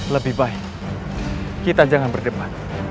lebih baik kita jangan berdebat